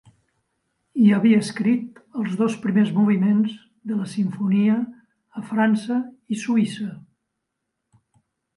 Hi havia escrit els dos primers moviments de la simfonia a França i Suïssa.